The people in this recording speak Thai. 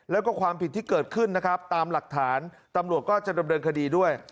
แล้วก็ความผิดที่เกิดขึ้นนะครับตามหลักฐานตำรวจก็จะดำเนินคดีด้วย